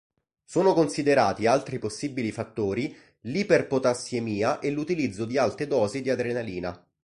Sono considerati altri possibili fattori l'iperpotassiemia e l'utilizzo di alte dosi di adrenalina.